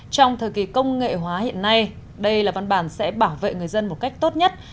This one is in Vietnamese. trong thời kỳ công nghệ hóa hiện nay đây là văn bản sẽ bảo vệ người dân một cách tốt nhất